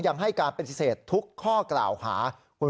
ยังให้การปฏิเสธทุกข้อกล่าวหา